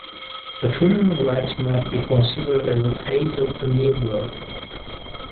The funeral rites might be considered as a phase of the new birth.